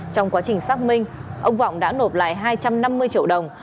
trong quá trình xác minh ông vọng đã nộp lại hai trăm năm mươi triệu đồng